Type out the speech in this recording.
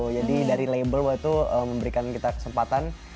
jadi dari label waktu itu memberikan kita kesempatan